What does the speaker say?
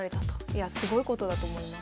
いやすごいことだと思います。